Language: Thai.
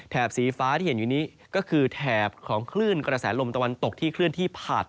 สีฟ้าที่เห็นอยู่นี้ก็คือแถบของคลื่นกระแสลมตะวันตกที่เคลื่อนที่ผ่าน